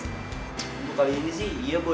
untuk kali ini sih iya bu